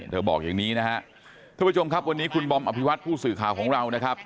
ทุกผู้ชมครับวันนี้คุณบอมอภิวัปต์ผู้สื่อข่าวของเรานะครับ